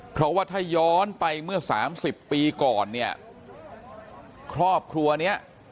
เพราะว่าถ้าย้อนไปเมื่อสามสิบปีก่อนเนี่ยครอบครัวเนี้ย